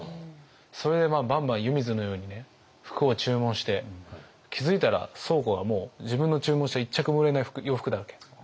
それでバンバン湯水のように服を注文して気付いたら倉庫がもう自分の注文した一着も売れない洋服だらけ。